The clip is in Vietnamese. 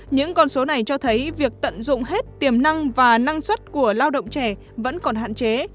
những con số này cho thấy việc tận dụng hết tiềm năng và năng suất của lao động trẻ vẫn còn hạn chế